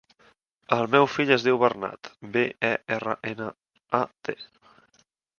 El meu fill es diu Bernat: be, e, erra, ena, a, te.